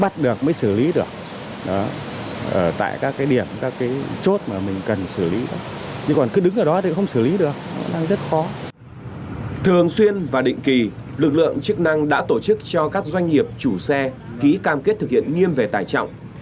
thường xuyên và định kỳ lực lượng chức năng đã tổ chức cho các doanh nghiệp chủ xe ký cam kết thực hiện nghiêm về tải trọng